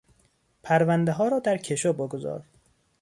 پروندهها را در کشو بگذار.